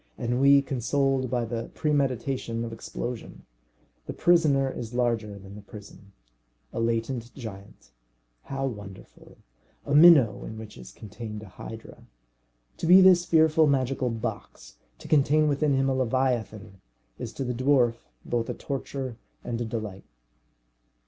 Ennui consoled by the premeditation of explosion! The prisoner is larger than the prison. A latent giant! how wonderful! A minnow in which is contained a hydra. To be this fearful magical box, to contain within him a leviathan, is to the dwarf both a torture and a delight.